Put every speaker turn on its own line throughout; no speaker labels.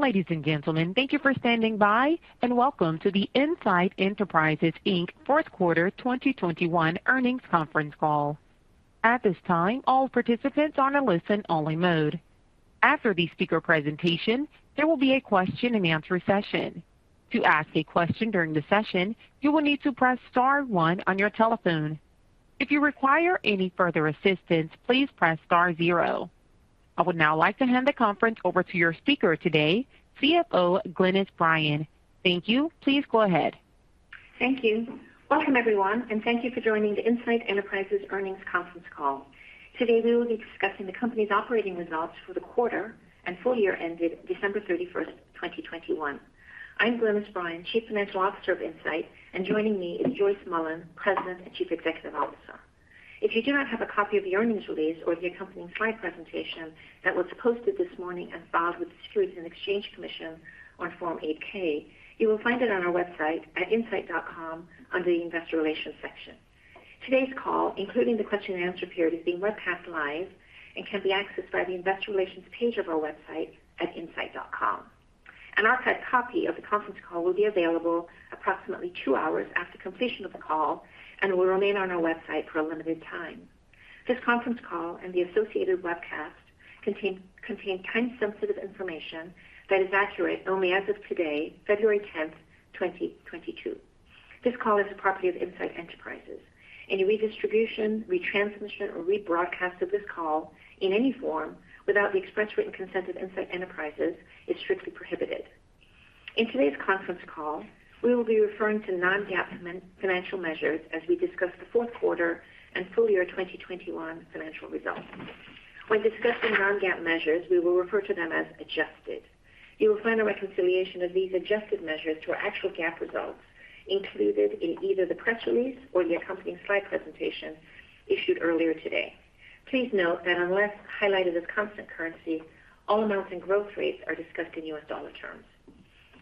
Ladies and gentlemen, thank you for standing by, and welcome to the Insight Enterprises, Inc. fourth quarter 2021 earnings conference call. At this time, all participants are in listen-only mode. After the speaker presentation, there will be a question-and-answer session. To ask a question during the session, you will need to press star one on your telephone. If you require any further assistance, please press star zero. I would now like to hand the conference over to your speaker today, CFO Glynis Bryan. Thank you. Please go ahead.
Thank you. Welcome, everyone, and thank you for joining the Insight Enterprises earnings conference call. Today, we will be discussing the company's operating results for the quarter and full year ended December 31, 2021. I'm Glynis Bryan, Chief Financial Officer of Insight, and joining me is Joyce Mullen, President and Chief Executive Officer. If you do not have a copy of the earnings release or the accompanying slide presentation that was posted this morning and filed with the Securities and Exchange Commission on Form 8-K, you will find it on our website at insight.com under the Investor Relations section. Today's call, including the question and answer period, is being webcast live and can be accessed by the Investor Relations page of our website at insight.com. An archive copy of the conference call will be available approximately two hours after completion of the call and will remain on our website for a limited time. This conference call and the associated webcast contain time-sensitive information that is accurate only as of today, February tenth, twenty twenty-two. This call is the property of Insight Enterprises. Any redistribution, retransmission, or rebroadcast of this call in any form without the express written consent of Insight Enterprises is strictly prohibited. In today's conference call, we will be referring to non-GAAP financial measures as we discuss the fourth quarter and full year twenty twenty-one financial results. When discussing non-GAAP measures, we will refer to them as adjusted. You will find a reconciliation of these adjusted measures to our actual GAAP results included in either the press release or the accompanying slide presentation issued earlier today. Please note that unless highlighted as constant currency, all amounts and growth rates are discussed in U.S. dollar terms.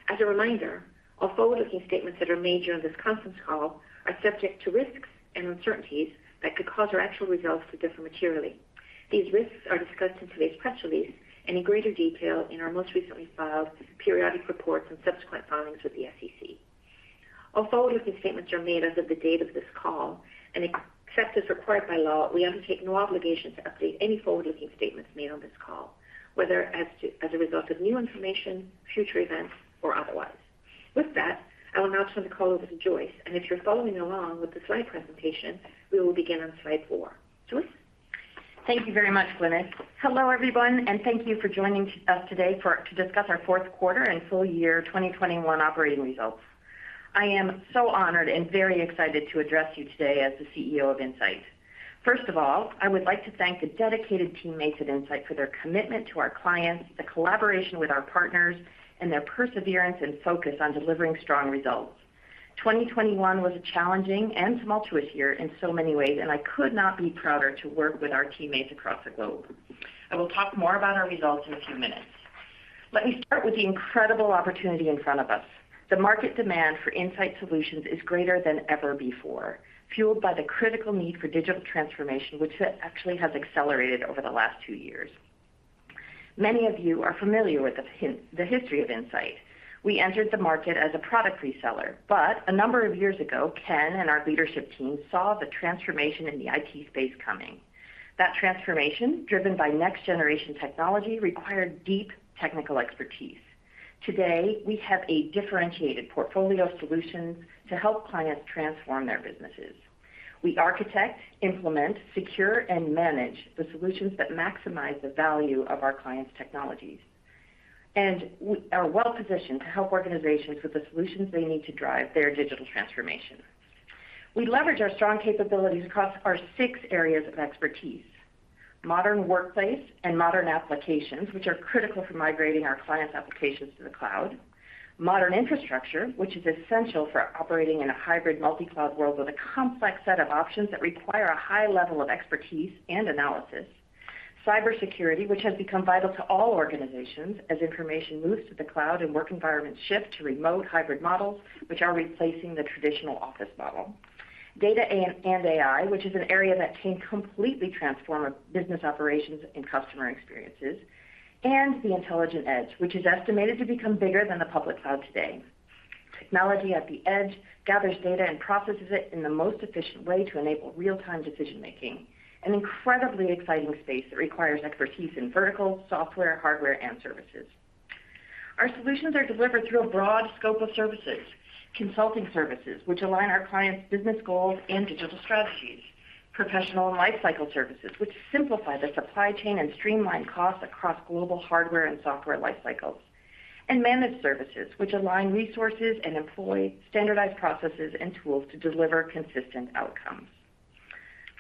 As a reminder, all forward-looking statements that are made during this conference call are subject to risks and uncertainties that could cause our actual results to differ materially. These risks are discussed in today's press release and in greater detail in our most recently filed periodic reports and subsequent filings with the SEC. All forward-looking statements are made as of the date of this call, and except as required by law, we undertake no obligation to update any forward-looking statements made on this call, whether as a result of new information, future events, or otherwise. With that, I will now turn the call over to Joyce, and if you're following along with the slide presentation, we will begin on slide four. Joyce.
Thank you very much, Glynis. Hello, everyone, and thank you for joining us today to discuss our fourth quarter and full year 2021 operating results. I am so honored and very excited to address you today as the CEO of Insight. First of all, I would like to thank the dedicated teammates at Insight for their commitment to our clients, the collaboration with our partners, and their perseverance and focus on delivering strong results. 2021 was a challenging and tumultuous year in so many ways, and I could not be prouder to work with our teammates across the globe. I will talk more about our results in a few minutes. Let me start with the incredible opportunity in front of us. The market demand for Insight solutions is greater than ever before, fueled by the critical need for digital transformation, which actually has accelerated over the last two years. Many of you are familiar with the history of Insight. We entered the market as a product reseller, but a number of years ago, Ken and our leadership team saw the transformation in the IT space coming. That transformation, driven by next-generation technology, required deep technical expertise. Today, we have a differentiated portfolio of solutions to help clients transform their businesses. We architect, implement, secure, and manage the solutions that maximize the value of our clients' technologies, and are well positioned to help organizations with the solutions they need to drive their digital transformation. We leverage our strong capabilities across our six areas of expertise. Modern workplace and modern applications, which are critical for migrating our clients' applications to the cloud. Modern infrastructure, which is essential for operating in a hybrid multi-cloud world with a complex set of options that require a high level of expertise and analysis. Cybersecurity, which has become vital to all organizations as information moves to the cloud and work environments shift to remote hybrid models, which are replacing the traditional office model. Data and AI, which is an area that can completely transform a business operations and customer experiences. The intelligent edge, which is estimated to become bigger than the public cloud today. Technology at the edge gathers data and processes it in the most efficient way to enable real-time decision-making, an incredibly exciting space that requires expertise in vertical, software, hardware, and services. Our solutions are delivered through a broad scope of services. Consulting services, which align our clients' business goals and digital strategies. Professional lifecycle services, which simplify the supply chain and streamline costs across global hardware and software life cycles. Managed services, which align resources and employ standardized processes and tools to deliver consistent outcomes.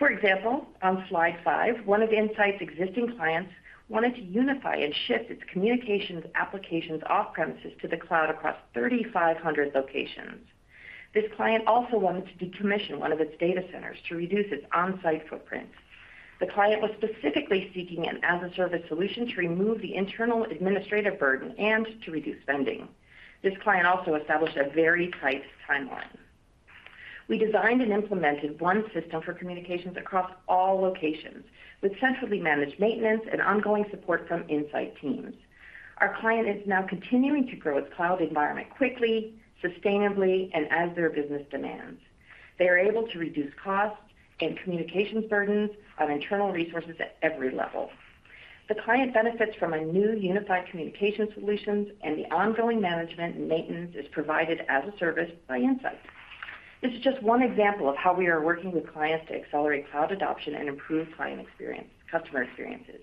For example, on slide five, one of Insight's existing clients wanted to unify and shift its communications applications off-premises to the cloud across 3,500 locations. This client also wanted to decommission one of its data centers to reduce its on-site footprint. The client was specifically seeking an as-a-service solution to remove the internal administrative burden and to reduce spending. This client also established a very tight timeline. We designed and implemented one system for communications across all locations, with centrally managed maintenance and ongoing support from Insight teams. Our client is now continuing to grow its cloud environment quickly, sustainably, and as their business demands. They are able to reduce costs and communication burdens on internal resources at every level. The client benefits from a new unified communication solutions, and the ongoing management and maintenance is provided as a service by Insight. This is just one example of how we are working with clients to accelerate cloud adoption and improve client experience, customer experiences.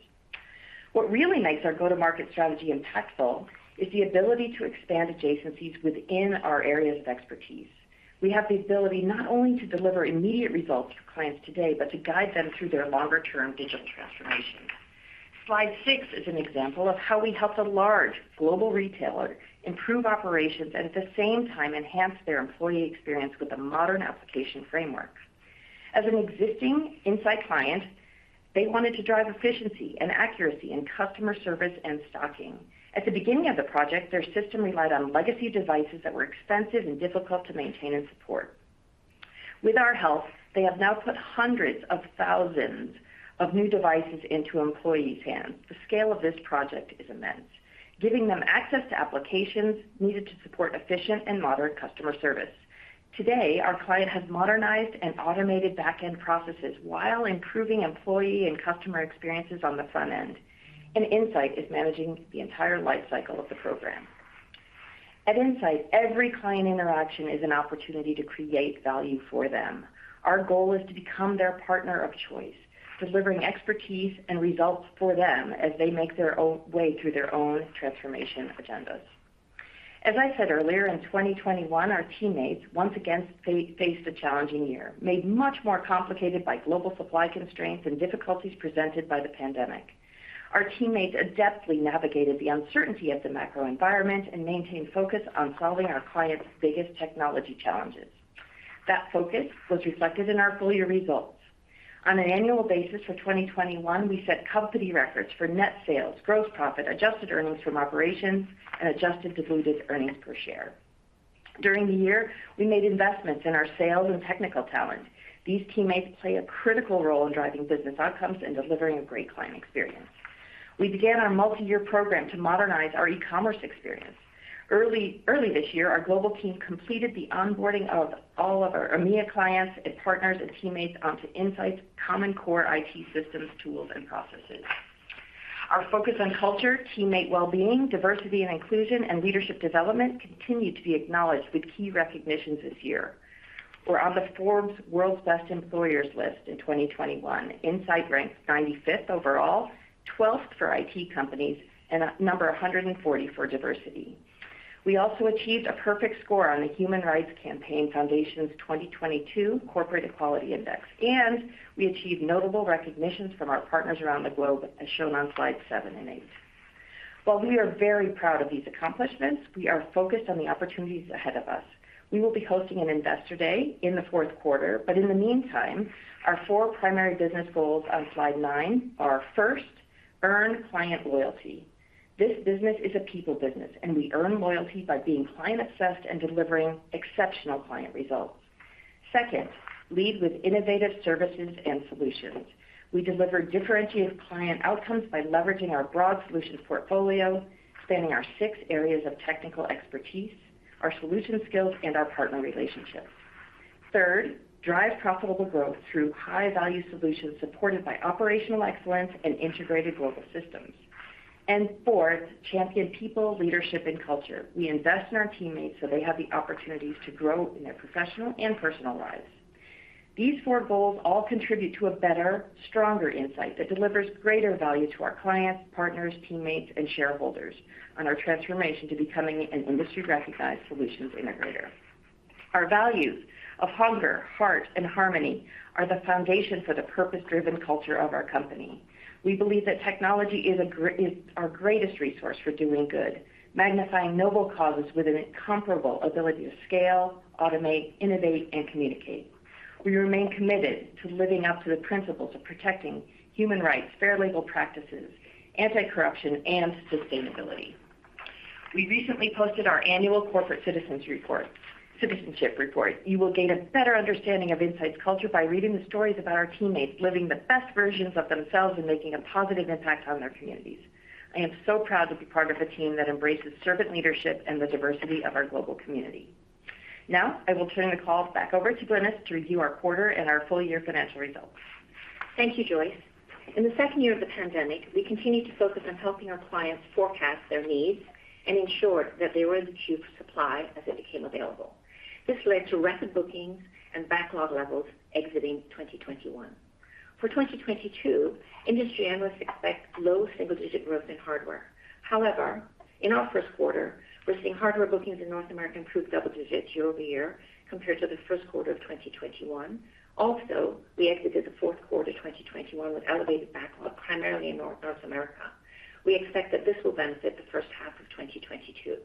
What really makes our go-to-market strategy impactful is the ability to expand adjacencies within our areas of expertise. We have the ability not only to deliver immediate results for clients today, but to guide them through their longer-term digital transformation. Slide six is an example of how we helped a large global retailer improve operations and at the same time enhance their employee experience with a modern application framework. As an existing Insight client, they wanted to drive efficiency and accuracy in customer service and stocking. At the beginning of the project, their system relied on legacy devices that were expensive and difficult to maintain and support. With our help, they have now put hundreds of thousands of new devices into employees' hands. The scale of this project is immense, giving them access to applications needed to support efficient and modern customer service. Today, our client has modernized and automated back-end processes while improving employee and customer experiences on the front end. Insight is managing the entire life cycle of the program. At Insight, every client interaction is an opportunity to create value for them. Our goal is to become their partner of choice, delivering expertise and results for them as they make their own way through their own transformation agendas. As I said earlier, in 2021, our teammates once again faced a challenging year, made much more complicated by global supply constraints and difficulties presented by the pandemic. Our teammates adeptly navigated the uncertainty of the macro environment and maintained focus on solving our clients' biggest technology challenges. That focus was reflected in our full year results. On an annual basis for 2021, we set company records for net sales, gross profit, adjusted earnings from operations, and adjusted diluted earnings per share. During the year, we made investments in our sales and technical talent. These teammates play a critical role in driving business outcomes and delivering a great client experience. We began our multi-year program to modernize our e-commerce experience. Early this year, our global team completed the onboarding of all of our EMEA clients and partners and teammates onto Insight's common core IT systems, tools, and processes. Our focus on culture, teammate well-being, diversity and inclusion, and leadership development continued to be acknowledged with key recognitions this year. We're on the Forbes World's Best Employers list in 2021. Insight ranks 95th overall, 12th for IT companies, and at number 140 for diversity. We also achieved a perfect score on the Human Rights Campaign Foundation's 2022 Corporate Equality Index, and we achieved notable recognitions from our partners around the globe, as shown on slides 7 and 8. While we are very proud of these accomplishments, we are focused on the opportunities ahead of us. We will be hosting an investor day in the fourth quarter, but in the meantime, our four primary business goals on slide nine are, first, earn client loyalty. This business is a people business, and we earn loyalty by being client-obsessed and delivering exceptional client results. Second, lead with innovative services and solutions. We deliver differentiated client outcomes by leveraging our broad solutions portfolio, spanning our six areas of technical expertise, our solution skills, and our partner relationships. Third, drive profitable growth through high-value solutions supported by operational excellence and integrated global systems. Fourth, champion people, leadership, and culture. We invest in our teammates so they have the opportunities to grow in their professional and personal lives. These four goals all contribute to a better, stronger Insight that delivers greater value to our clients, partners, teammates, and shareholders on our transformation to becoming an industry-recognized solutions integrator. Our values of hunger, heart, and harmony are the foundation for the purpose-driven culture of our company. We believe that technology is our greatest resource for doing good, magnifying noble causes with an incomparable ability to scale, automate, innovate, and communicate. We remain committed to living up to the principles of protecting human rights, fair labor practices, anti-corruption, and sustainability. We recently posted our annual citizenship report. You will gain a better understanding of Insight's culture by reading the stories about our teammates living the best versions of themselves and making a positive impact on their communities. I am so proud to be part of a team that embraces servant leadership and the diversity of our global community. Now, I will turn the call back over to Glynis to review our quarter and our full year financial results.
Thank you, Joyce. In the second year of the pandemic, we continued to focus on helping our clients forecast their needs and ensure that they were entitled to supply as it became available. This led to record bookings and backlog levels exiting 2021. For 2022, industry analysts expect low single-digit growth in hardware. However, in our first quarter, we're seeing hardware bookings in North America improve double-digit year-over-year compared to the first quarter of 2021. Also, we exited the fourth quarter 2021 with elevated backlog, primarily in North America. We expect that this will benefit the first half of 2022.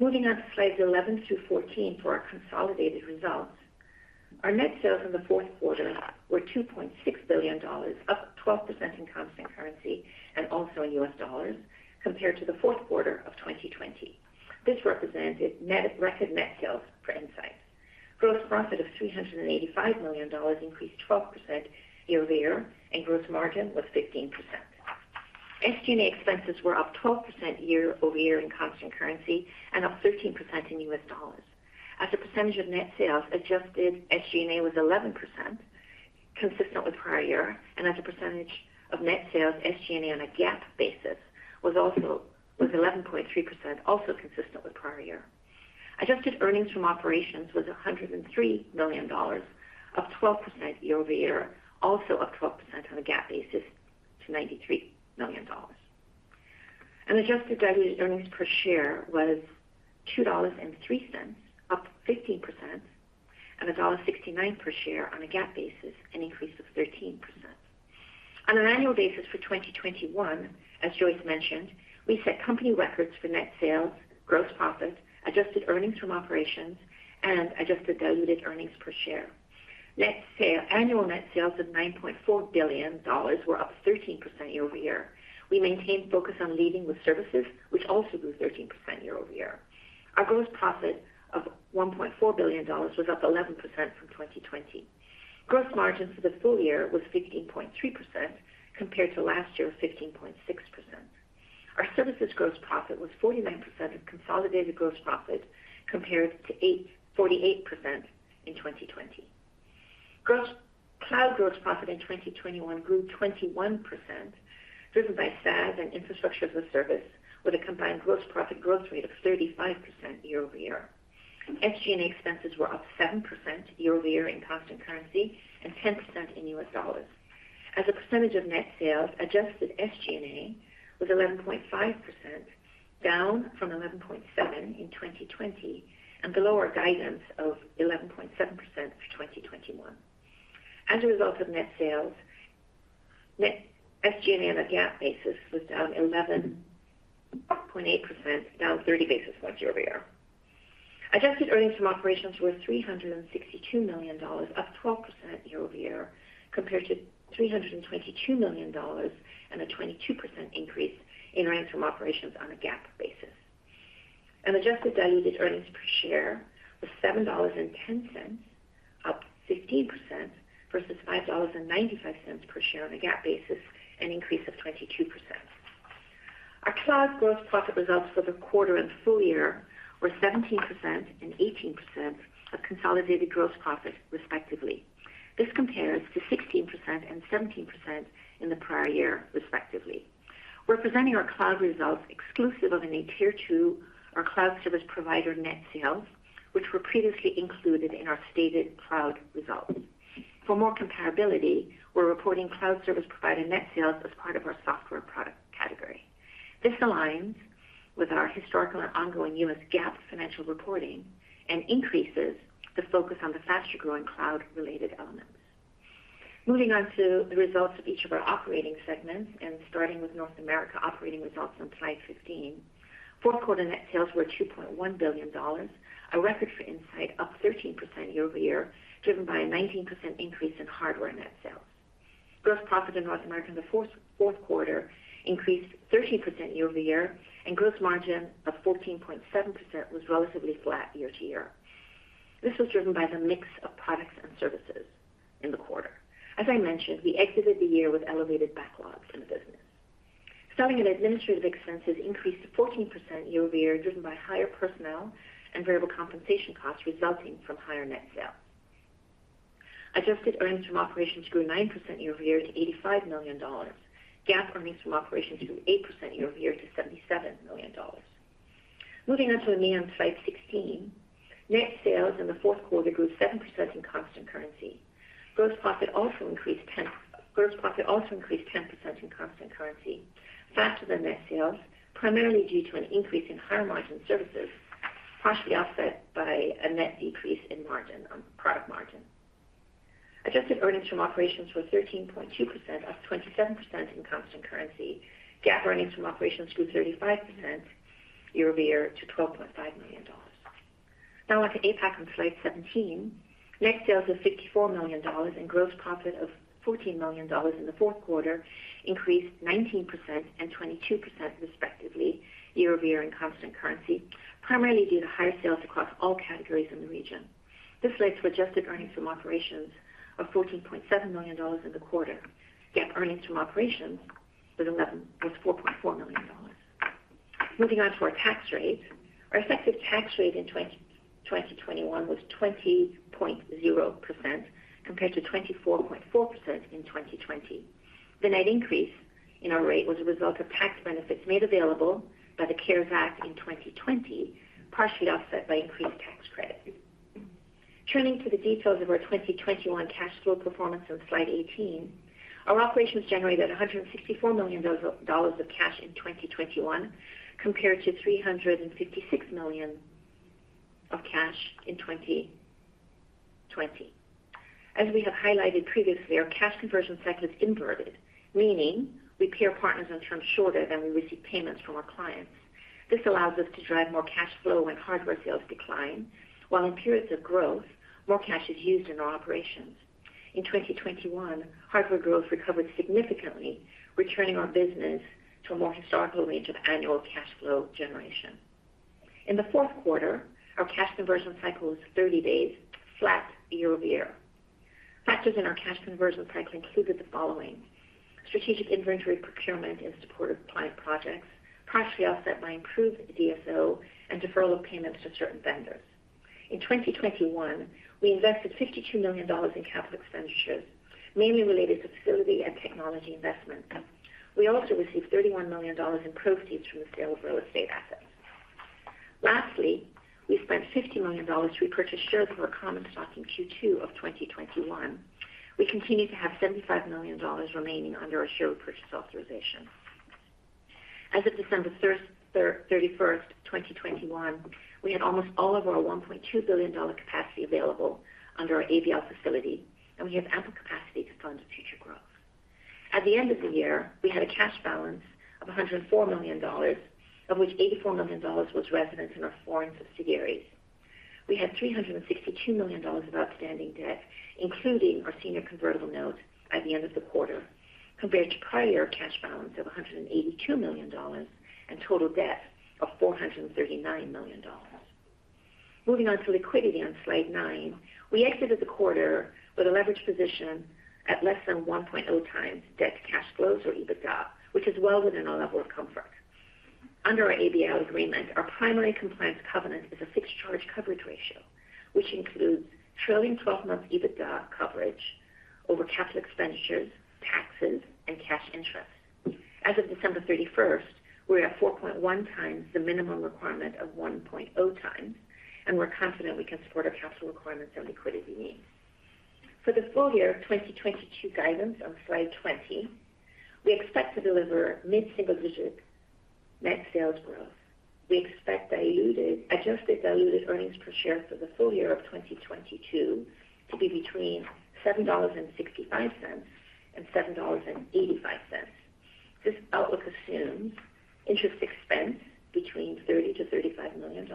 Moving on to slides 11 through 14 for our consolidated results. Our net sales in the fourth quarter were $2.6 billion, up 12% in constant currency and also in US dollars compared to the fourth quarter of 2020. This represented record net sales for Insight. Gross profit of $385 million increased 12% year-over-year, and gross margin was 15%. SG&A expenses were up 12% year-over-year in constant currency and up 13% in U.S. dollars. As a percentage of net sales, adjusted SG&A was 11%, consistent with prior year. As a percentage of net sales, SG&A on a GAAP basis was 11.3%, also consistent with prior year. Adjusted earnings from operations was $103 million, up 12% year-over-year, also up 12% on a GAAP basis to $93 million. Adjusted diluted earnings per share was $2.03, up 15%, and $1.69 per share on a GAAP basis, an increase of 13%. On an annual basis for 2021, as Joyce mentioned, we set company records for net sales, gross profit, adjusted earnings from operations, and adjusted diluted earnings per share. Annual net sales of $9.4 billion were up 13% year-over-year. We maintained focus on leading with services, which also grew 13% year-over-year. Our gross profit of $1.4 billion was up 11% from 2020. Gross margin for the full year was 15.3% compared to last year of 15.6%. Our services gross profit was 49% of consolidated gross profit, compared to 48% in 2020. Cloud gross profit in 2021 grew 21%, driven by SaaS and Infrastructure as a Service, with a combined gross profit growth rate of 35% year-over-year. SG&A expenses were up 7% year-over-year in constant currency and 10% in U.S. dollars. As a percentage of net sales, adjusted SG&A was 11.5%, down from 11.7% in 2020, and below our guidance of 11.7% for 2021. As a percentage of net sales, SG&A on a GAAP basis was down 11.8%, down 30 basis points year-over-year. Adjusted earnings from operations were $362 million, up 12% year-over-year, compared to $322 million and a 22% increase in earnings from operations on a GAAP basis. Adjusted diluted earnings per share was $7.10, up 15%, versus $5.95 per share on a GAAP basis, an increase of 22%. Our cloud gross profit results for the quarter and full year were 17% and 18% of consolidated gross profit, respectively. This compares to 16% and 17% in the prior year, respectively. We're presenting our cloud results exclusive of any Tier Two or cloud service provider net sales, which were previously included in our stated cloud results. For more comparability, we're reporting cloud service provider net sales as part of our software product category. This aligns with our historical and ongoing U.S. GAAP financial reporting and increases the focus on the faster-growing cloud-related elements. Moving on to the results of each of our operating segments and starting with North America operating results on slide 15. Fourth quarter net sales were $2.1 billion, a record for Insight, up 13% year-over-year, driven by a 19% increase in hardware net sales. Gross profit in North America in the fourth quarter increased 13% year-over-year, and gross margin of 14.7% was relatively flat year-over-year. This was driven by the mix of products and services in the quarter. As I mentioned, we exited the year with elevated backlogs in the business. Selling and administrative expenses increased 14% year-over-year, driven by higher personnel and variable compensation costs resulting from higher net sales. Adjusted earnings from operations grew 9% year-over-year to $85 million. GAAP earnings from operations grew 8% year-over-year to $77 million. Moving on to EMEA on slide 16. Net sales in the fourth quarter grew 7% in constant currency. Gross profit also increased 10% in constant currency, faster than net sales, primarily due to an increase in higher-margin services, partially offset by a net decrease in margin on product margin. Adjusted earnings from operations were 13.2%, up 27% in constant currency. GAAP earnings from operations grew 35% year-over-year to $12.5 million. Now on to APAC on slide 17. Net sales of $54 million and gross profit of $14 million in the fourth quarter increased 19% and 22%, respectively, year-over-year in constant currency, primarily due to higher sales across all categories in the region. This led to adjusted earnings from operations of $14.7 million in the quarter. GAAP earnings from operations was $4.4 million. Moving on to our tax rate. Our effective tax rate in 2021 was 20.0% compared to 24.4% in 2020. The net increase in our rate was a result of tax benefits made available by the CARES Act in 2020, partially offset by increased tax credit. Turning to the details of our 2021 cash flow performance on slide 18. Our operations generated $164 million of cash in 2021 compared to $356 million of cash in 2020. As we have highlighted previously, our cash conversion cycle is inverted, meaning we pay our partners in terms shorter than we receive payments from our clients. This allows us to drive more cash flow when hardware sales decline, while in periods of growth, more cash is used in our operations. In 2021, hardware growth recovered significantly, returning our business to a more historical range of annual cash flow generation. In the fourth quarter, our cash conversion cycle was 30 days, flat year-over-year. Factors in our cash conversion cycle included the following: strategic inventory procurement in support of client projects, partially offset by improved DSO and deferral of payments to certain vendors. In 2021, we invested $52 million in capital expenditures, mainly related to facility and technology investment. We also received $31 million in proceeds from the sale of real estate assets. Lastly, we spent $50 million to repurchase shares of our common stock in Q2 of 2021. We continue to have $75 million remaining under our share repurchase authorization. As of December 31st, 2021, we had almost all of our $1.2 billion capacity available under our ABL facility, and we have ample capacity to fund future growth. At the end of the year, we had a cash balance of $104 million, of which $84 million was resident in our foreign subsidiaries. We had $362 million of outstanding debt, including our senior convertible note at the end of the quarter, compared to prior cash balance of $182 million and total debt of $439 million. Moving on to liquidity on slide nine. We exited the quarter with a leverage position at less than 1.0x debt to cash flows or EBITDA, which is well within our level of comfort. Under our ABL agreement, our primary compliance covenant is a fixed charge coverage ratio, which includes trailing twelve months EBITDA coverage over capital expenditures, taxes, and cash interest. As of December 31, we're at 4.1x the minimum requirement of 1.0 times, and we're confident we can support our cash flow requirements and liquidity needs. For the full year of 2022 guidance on slide 20, we expect to deliver mid-single-digit net sales growth. We expect adjusted diluted earnings per share for the full year of 2022 to be between $7.65 and $7.85. This outlook assumes interest expense between $30 million-$35 million,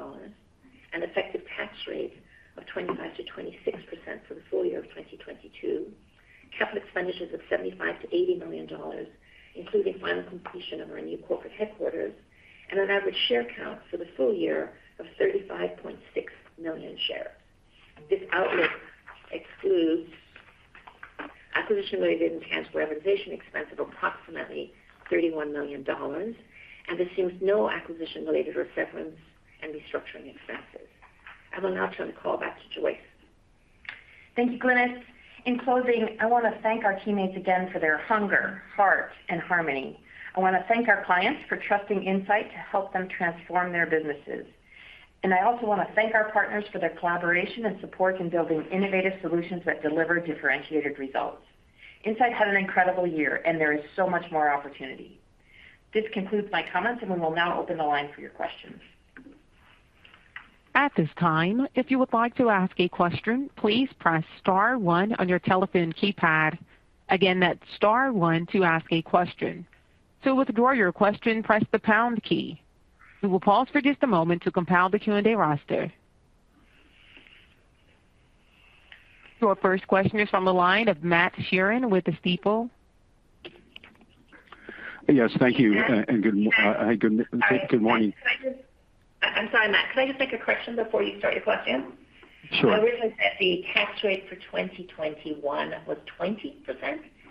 an effective tax rate of 25%-26% for the full year of 2022, capital expenditures of $75 million-$80 million, including final completion of our new corporate headquarters, and an average share count for the full year of 35.6 million shares. This outlook excludes acquisition-related intangible amortization expense of approximately $31 million, and assumes no acquisition-related severance and restructuring expenses. I will now turn the call back to Joyce.
Thank you, Glynis. In closing, I want to thank our teammates again for their hunger, heart, and harmony. I want to thank our clients for trusting Insight to help them transform their businesses. I also want to thank our partners for their collaboration and support in building innovative solutions that deliver differentiated results. Insight had an incredible year, and there is so much more opportunity. This concludes my comments, and we will now open the line for your questions.
At this time, if you would like to ask a question, please press star one on your telephone keypad. Again, that's star one to ask a question. To withdraw your question, press the pound key. We will pause for just a moment to compile the Q&A roster. Your first question is from the line of Matt Sheerin with Stifel.
Yes, thank you. Hi, good morning.
I'm sorry, Matt, can I just make a correction before you start your question?
Sure.
I originally said the tax rate for 2021 was 20%.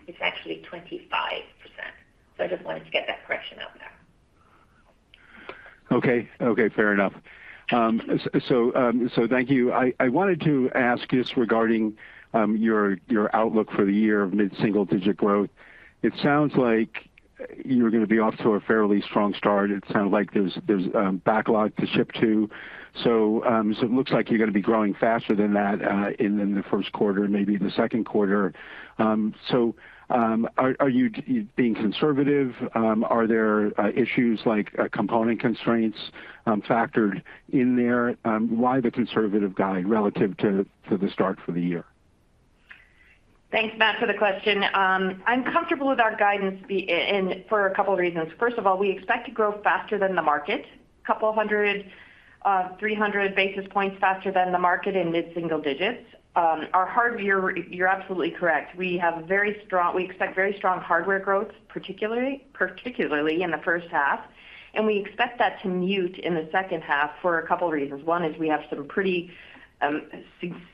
It's actually 25%. I just wanted to get that correction out there.
Okay, fair enough. Thank you. I wanted to ask just regarding your outlook for the year of mid-single-digit growth. It sounds like you're going to be off to a fairly strong start. It sounds like there's backlog to ship to. It looks like you're going to be growing faster than that in the first quarter, maybe the second quarter. Are you being conservative? Are there issues like component constraints factored in there? Why the conservative guide relative to the start for the year?
Thanks, Matt, for the question. I'm comfortable with our guidance, and for a couple of reasons. First of all, we expect to grow faster than the market, 300 basis points faster than the market in mid-single digits. Our hardware, you're absolutely correct. We expect very strong hardware growth, particularly in the first half. We expect that to mute in the second half for a couple of reasons. One is we have some pretty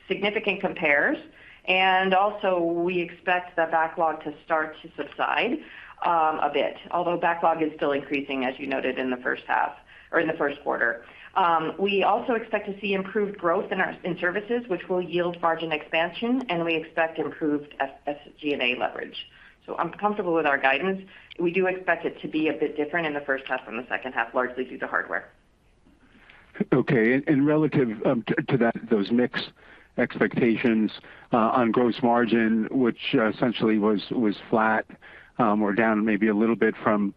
significant compares. Also we expect the backlog to start to subside a bit. Although backlog is still increasing, as you noted in the first half or in the first quarter. We also expect to see improved growth in services, which will yield margin expansion, and we expect improved SG&A leverage. I'm comfortable with our guidance. We do expect it to be a bit different in the first half from the second half, largely due to hardware.
Okay. Relative to that, those mix expectations on gross margin, which essentially was flat or down maybe a little bit from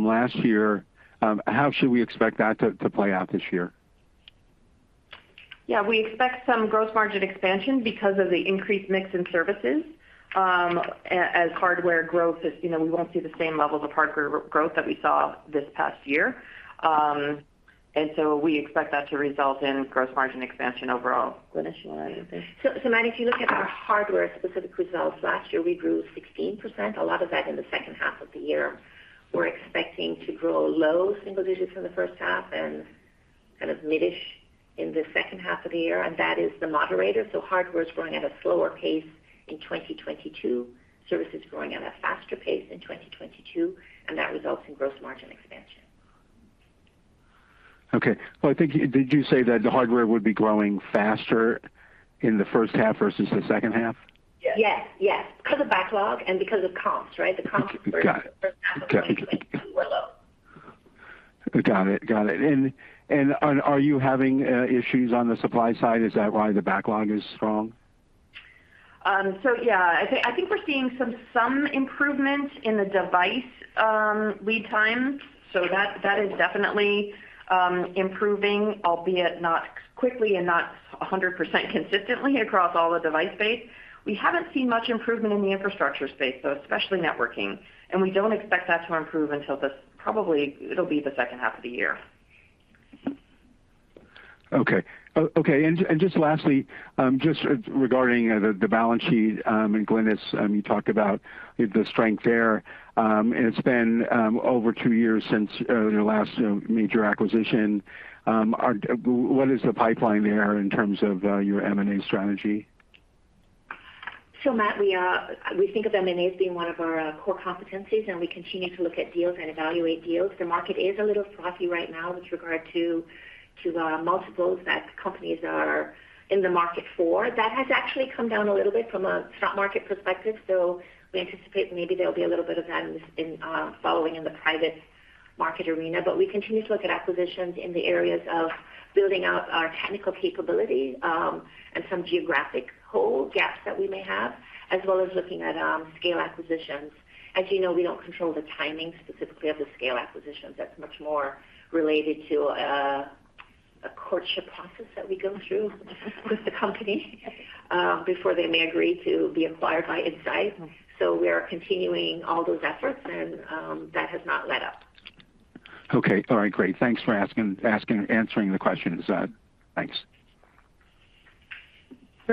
last year, how should we expect that to play out this year?
Yeah. We expect some gross margin expansion because of the increased mix in services, as hardware growth is, you know, we won't see the same levels of hardware growth that we saw this past year. We expect that to result in gross margin expansion overall. Glynis, you want to add anything?
Matt, if you look at our hardware-specific results, last year we grew 16%, a lot of that in the second half of the year. We're expecting to grow low single digits in the first half and kind of mid-ish in the second half of the year, and that moderates. Hardware is growing at a slower pace in 2022. Services is growing at a faster pace in 2022, and that results in gross margin expansion.
Okay. Well, did you say that the hardware would be growing faster in the first half versus the second half?
Yes. Because of backlog and because of comps, right?
Got it. Okay.
The first half of 2022 were low.
Got it. Are you having issues on the supply side? Is that why the backlog is strong?
I think we're seeing some improvement in the device lead time. That is definitely improving, albeit not quickly and not 100% consistently across all the device space. We haven't seen much improvement in the infrastructure space, though, especially networking. We don't expect that to improve until probably it'll be the second half of the year.
Okay. Just lastly, regarding the balance sheet, and Glynis, you talked about the strength there. It's been over two years since your last major acquisition. What is the pipeline there in terms of your M&A strategy?
Matt, we think of M&A as being one of our core competencies, and we continue to look at deals and evaluate deals. The market is a little frothy right now with regard to multiples that companies are in the market for. That has actually come down a little bit from a stock market perspective. We anticipate maybe there'll be a little bit of that following in the private market arena. We continue to look at acquisitions in the areas of building out our technical capability, and some geographic holes or gaps that we may have, as well as looking at scale acquisitions. As you know, we don't control the timing specifically of the scale acquisitions. That's much more related to a courtship process that we go through with the company before they may agree to be acquired by Insight. We are continuing all those efforts, and that has not let up.
Okay. All right, great. Thanks for answering the questions. Thanks.
Thanks,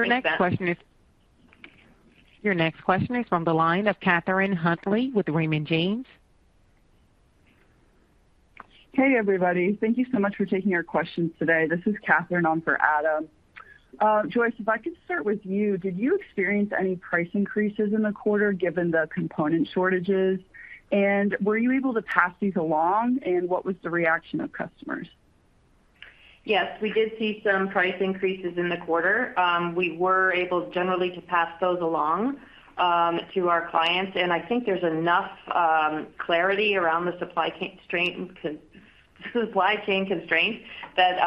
Matt.
Your next question is from the line of Catherine Huntley with Raymond James.
Hey, everybody. Thank you so much for taking our questions today. This is Catherine on for Adam. Joyce, if I could start with you. Did you experience any price increases in the quarter given the component shortages? Were you able to pass these along, and what was the reaction of customers?
Yes, we did see some price increases in the quarter. We were able generally to pass those along to our clients, and I think there's enough clarity around the supply chain constraints that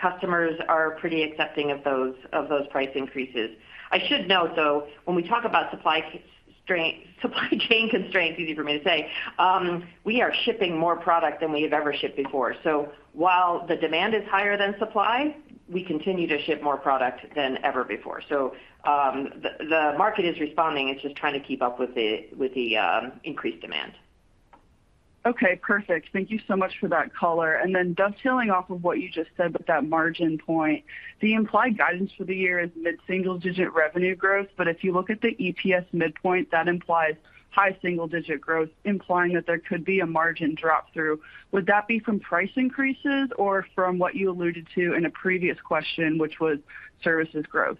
customers are pretty accepting of those price increases. I should note, though, when we talk about supply chain constraints, easy for me to say, we are shipping more product than we have ever shipped before. While the demand is higher than supply, we continue to ship more product than ever before. The market is responding. It's just trying to keep up with the increased demand.
Okay, perfect. Thank you so much for that color. Then dovetailing off of what you just said with that margin point, the implied guidance for the year is mid-single-digit revenue growth. If you look at the EPS midpoint, that implies high single digit growth, implying that there could be a margin drop through. Would that be from price increases or from what you alluded to in a previous question, which was services growth?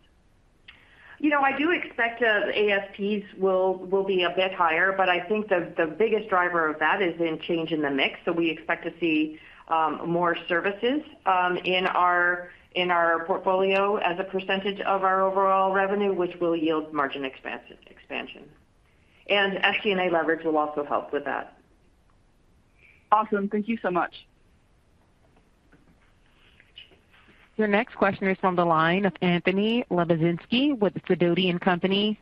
You know, I do expect the ASPs will be a bit higher, but I think the biggest driver of that is a change in the mix. We expect to see more services in our portfolio as a percentage of our overall revenue, which will yield margin expansion. SG&A leverage will also help with that.
Awesome. Thank you so much.
Your next question is on the line of Anthony Lebiedzinski with Sidoti & Company.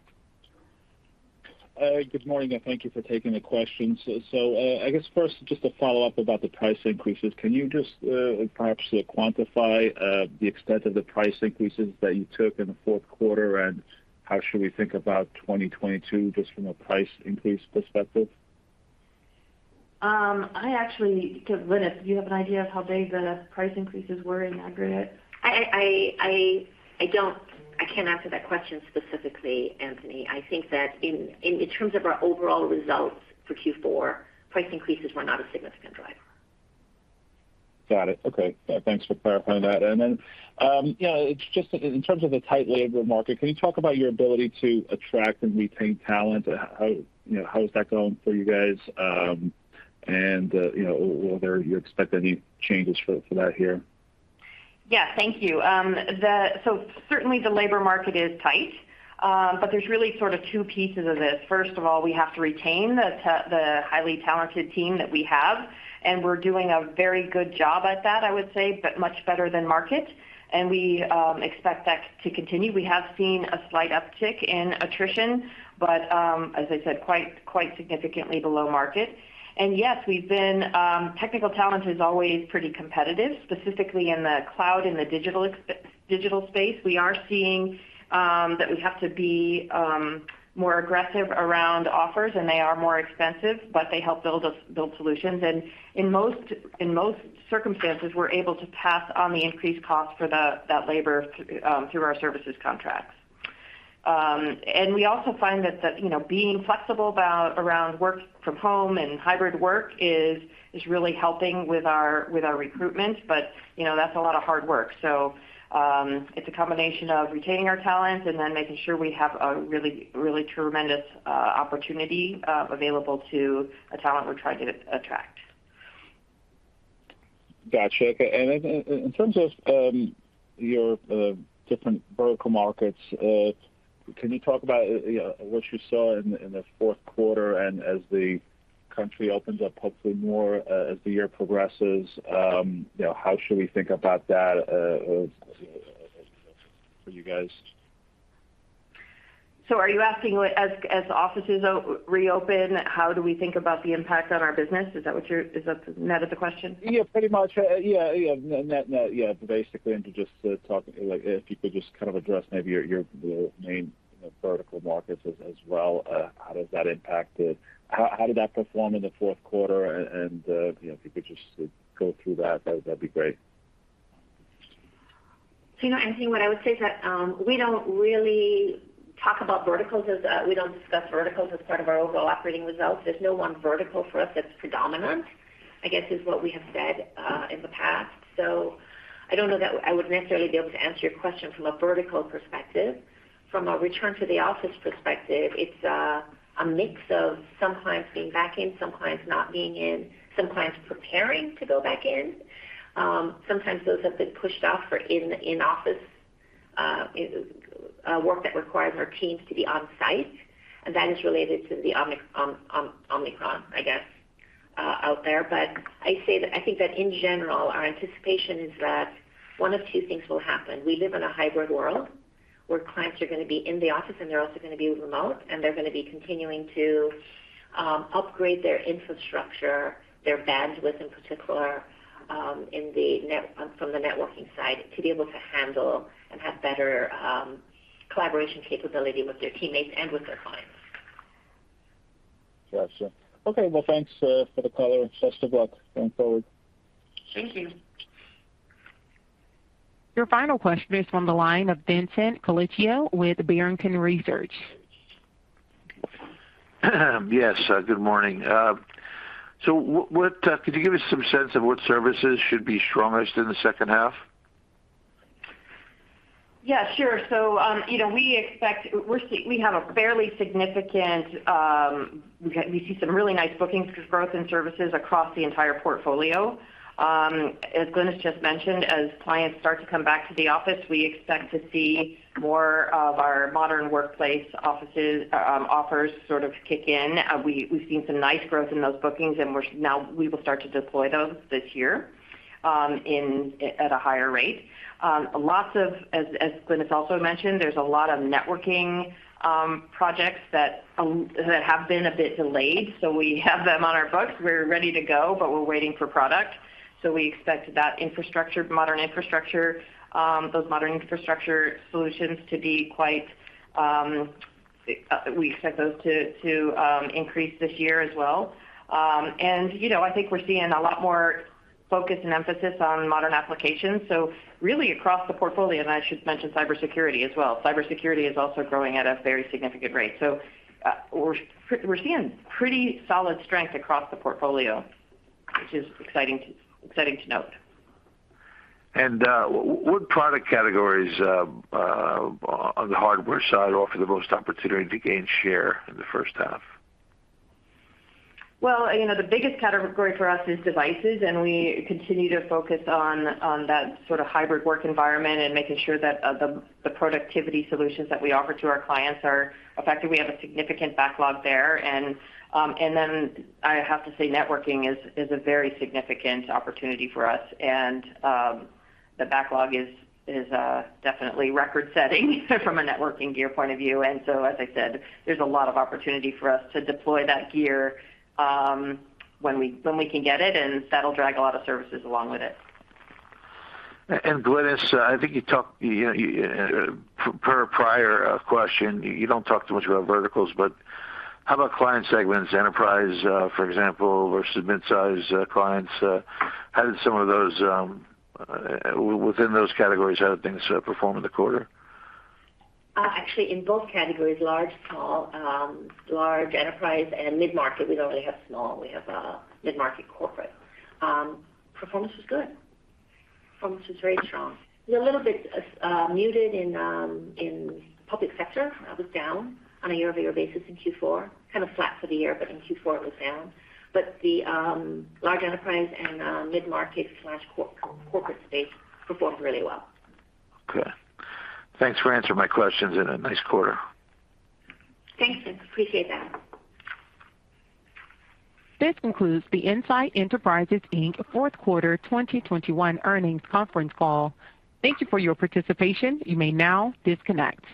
Good morning, and thank you for taking the questions. I guess first, just to follow up about the price increases, can you just, perhaps quantify the extent of the price increases that you took in the fourth quarter, and how should we think about 2022 just from a price increase perspective?
Because, Glynis, do you have an idea of how big the price increases were in aggregate?
I don't. I can't answer that question specifically, Anthony. I think that in terms of our overall results for Q4, price increases were not a significant driver.
Got it. Okay. Thanks for clarifying that. You know, it's just in terms of the tight labor market, can you talk about your ability to attract and retain talent? How, you know, how is that going for you guys? You know, you expect any changes for that here?
Yeah. Thank you. Certainly the labor market is tight, but there's really sort of two pieces of this. First of all, we have to retain the highly talented team that we have, and we're doing a very good job at that, I would say, but much better than market. We expect that to continue. We have seen a slight uptick in attrition, but as I said, quite significantly below market. Yes. Technical talent is always pretty competitive, specifically in the cloud and the digital space. We are seeing that we have to be more aggressive around offers, and they are more expensive, but they help build solutions. In most circumstances, we're able to pass on the increased cost for that labor through our services contracts. We also find that you know, being flexible about work from home and hybrid work is really helping with our recruitment. You know, that's a lot of hard work. It's a combination of retaining our talent and then making sure we have a really tremendous opportunity available to a talent we're trying to attract.
Gotcha. In terms of your different vertical markets, can you talk about, you know, what you saw in the fourth quarter and as the country opens up hopefully more, as the year progresses, you know, how should we think about that, for you guys?
Are you asking, as offices reopen, how do we think about the impact on our business? Is that what you're asking? Is that the question?
Yeah, pretty much. Yeah. No, yeah, basically. To just talk, like, if you could just kind of address maybe your main vertical markets as well, how does that impact it? How did that perform in the fourth quarter? You know, if you could just go through that would be great.
You know, Anthony, what I would say is that we don't really talk about verticals. We don't discuss verticals as part of our overall operating results. There's no one vertical for us that's predominant, I guess, is what we have said in the past. I don't know that I would necessarily be able to answer your question from a vertical perspective. From a return to the office perspective, it's a mix of some clients being back in, some clients not being in, some clients preparing to go back in. Sometimes those have been pushed out for in-office work that requires our teams to be on site, and that is related to the Omicron, I guess, out there. I think that in general, our anticipation is that one of two things will happen. We live in a hybrid world where clients are gonna be in the office and they're also gonna be remote, and they're gonna be continuing to upgrade their infrastructure, their bandwidth in particular, from the networking side, to be able to handle and have better collaboration capability with their teammates and with their clients.
Got you. Okay, well, thanks, for the color. Best of luck going forward.
Thank you.
Your final question is from the line of Vincent Colicchio with Barrington Research.
Yes. Good morning. Could you give us some sense of what services should be strongest in the second half?
Yeah, sure. You know, we have a fairly significant, we see some really nice bookings growth in services across the entire portfolio. As Glynis just mentioned, as clients start to come back to the office, we expect to see more of our modern workplace offers sort of kick in. We've seen some nice growth in those bookings, and now we will start to deploy those this year at a higher rate. Lots of, as Glynis also mentioned, there's a lot of networking projects that have been a bit delayed, so we have them on our books. We're ready to go, but we're waiting for product. We expect that infrastructure, modern infrastructure, those modern infrastructure solutions to be quite, we expect those to increase this year as well. And you know, I think we're seeing a lot more focus and emphasis on modern applications. Really across the portfolio, and I should mention cybersecurity as well. Cybersecurity is also growing at a very significant rate. We're seeing pretty solid strength across the portfolio, which is exciting to note.
What product categories on the hardware side offer the most opportunity to gain share in the first half?
Well, you know, the biggest category for us is devices, and we continue to focus on that sort of hybrid work environment and making sure that the productivity solutions that we offer to our clients are effective. We have a significant backlog there. Then I have to say, networking is a very significant opportunity for us. The backlog is definitely record-setting from a networking gear point of view. As I said, there's a lot of opportunity for us to deploy that gear when we can get it, and that'll drag a lot of services along with it.
Glynis, I think you talked, you know, per prior question, you don't talk too much about verticals, but how about client segments, enterprise, for example, versus mid-size, clients? How did some of those, within those categories, how did things perform in the quarter?
Actually, in both categories, large, small, large enterprise and mid-market, we don't really have small, we have mid-market corporate. Performance was good. Performance was very strong. A little bit muted in public sector. That was down on a year-over-year basis in Q4, kind of flat for the year, but in Q4 it was down. The large enterprise and mid-market corporate space performed really well.
Okay. Thanks for answering my questions, and a nice quarter.
Thanks, Vincent. Appreciate that.
This concludes the Insight Enterprises, Inc. fourth quarter 2021 earnings conference call. Thank you for your participation. You may now disconnect.